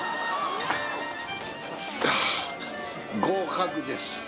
合格です。